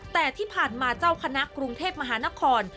แต่ที่ผ่านมาเจ้าคณะกรุงเทพมหานคร